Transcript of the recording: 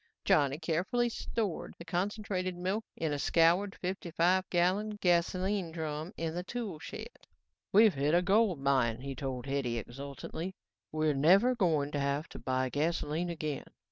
Johnny carefully stored the concentrated milk in a scoured fifty five gallon gasoline drum in the tool shed. "We've hit a gold mine," he told Hetty exultantly. "We're never going to have to buy gasoline again.